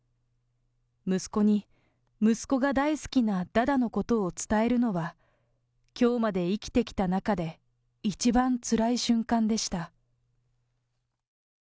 息子に、息子が大好きなダダのことを伝えるのは、きょうまで生きてきた中で、一番つらい瞬間でした。